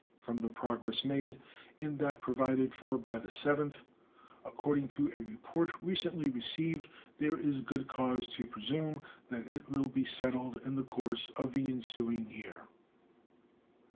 From the progress made in that provided for by the 7th, according to a report recently received, there is good cause to presume that it will be settled in the course of the ensuing year.